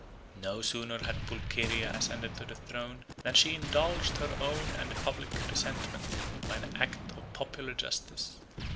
No sooner had Pulcheria ascended the throne, than she indulged her own and the public resentment, by an act of popular justice.